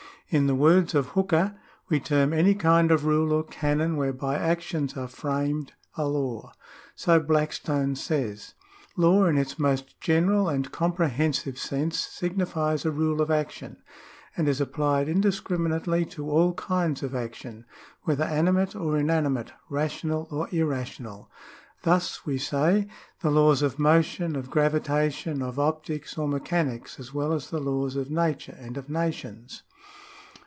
In the words of Hooker,^ " we term any kind of rule or canon whereby actions are framed a law." So Blackstone says . 2 " Law, in its most general and comprehensive sense, signifies a rule of action, and is applied indiscriminately to all kinds of action, whether animate or inanimate, rational or irrational. Thus we say, the laws of motion, of gravitation, of optics or mechanics, as well as the laws of nature and of nations."